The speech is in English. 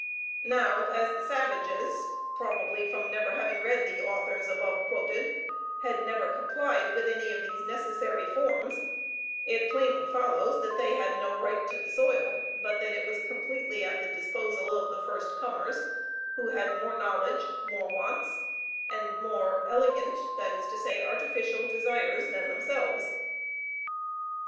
Now as the savages (probably from never having read the authors above quoted) had never complied with any of these necessary forms, it plainly follows that they had no right to the soil, but that it was completely at the disposal of the first comers, who had more knowledge, more wants, and more elegant, that is to say artificial, desires than themselves.